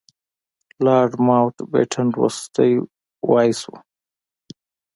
لارډ ماونټ بیټن وروستی وایسराय و.